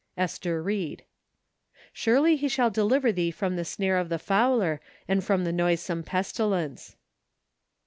Ester Ried. " Surely he shall deliver thee from the snare of the fowler, and from the noisome pestilence